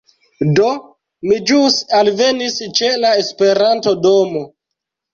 Do, mi ĵus alvenis ĉe la Esperanto-domo